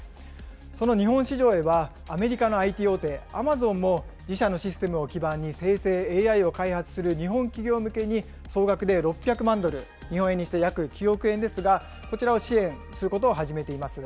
その日本市場へはアメリカのＩＴ大手、アマゾンの自社のシステムを基盤に生成ＡＩを開発する日本企業向けに、総額で６００万ドル、日本円にして約９億円ですが、こちらを支援することを始めています。